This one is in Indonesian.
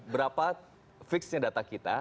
berapa fix nya data kita